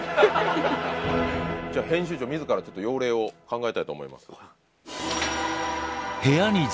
じゃあ編集長自ら用例を考えたいと思います。